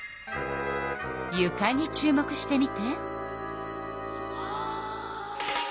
ゆかに注目してみて。